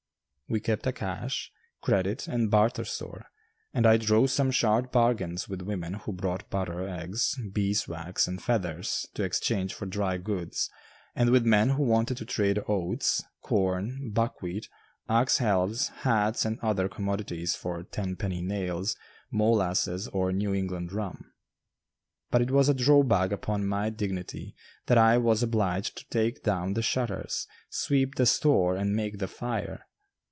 We kept a cash, credit and barter store, and I drove some sharp bargains with women who brought butter, eggs, beeswax and feathers to exchange for dry goods, and with men who wanted to trade oats, corn, buckwheat, axe helves, hats, and other commodities for tenpenny nails, molasses, or New England rum. But it was a drawback upon my dignity that I was obliged to take down the shutters, sweep the store, and make the fire.